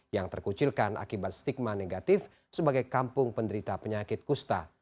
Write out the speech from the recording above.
yang terkucilkan akibat stigma negatif sebagai kampung penderita penyakit kusta